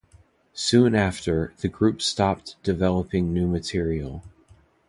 Soon after, the group stopped developing new material.